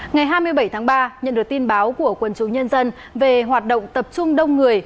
ngày hai mươi bảy tháng ba nhận được tin báo của quân chúng nhân dân về hoạt động tập trung đông người